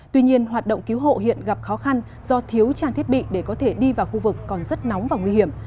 tuy nhiên hoạt động cứu hộ hiện gặp khó khăn do thiếu trang thiết bị để có thể đi vào khu vực còn rất nóng và nguy hiểm